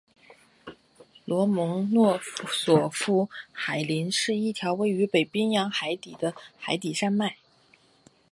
罗蒙诺索夫海岭是一条位于北冰洋洋底的海底山脉。